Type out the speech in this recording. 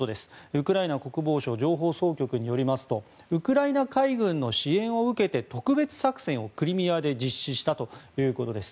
ウクライナ国防省情報総局によりますとウクライナ海軍の支援を受けて特別作戦をクリミアで実施したということです。